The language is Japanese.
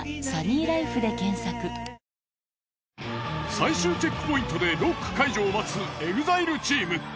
最終チェックポイントでロック解除を待つＥＸＩＬＥチーム。